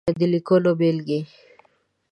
د ليکنو بېلګې :